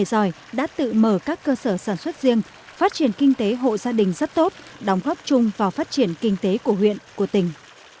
ngoài đã tự mở các cơ sở sản xuất riêng phát triển kinh tế hộ gia đình rất tốt đóng góp chung vào phát triển kinh tế của huyện của tỉnh